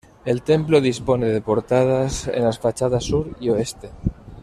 El templo dispone de portadas en las fachadas sur y oeste.